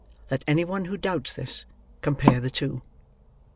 Let any one who doubts this, compare the two.